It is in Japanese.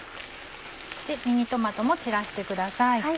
ミニトマトも散らしてください。